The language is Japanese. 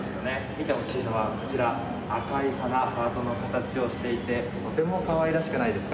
見てほしいのはこちら赤い鼻ハートの形をしていてとてもかわいらしくないですか？